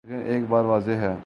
لیکن ایک بات واضح ہے۔